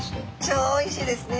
超おいしいですね